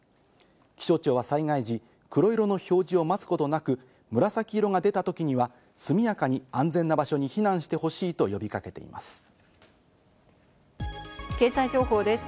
気象庁は災害時、黒色の表示を待つことなく、紫色が出た時には速やかに安全な場所に避難してほしいと呼びかけています。